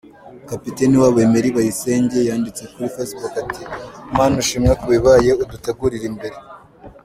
Kapiteni wabo Emery bayisenge yanditse kuri facebook ati: “Mana ushimwe kubibaye! Udutegurire imbere”.